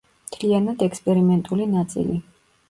მთლიანად ექსპერიმენტული ნაწილი.